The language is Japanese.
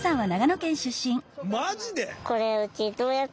マジで！？